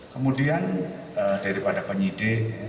kemudian daripada penyidik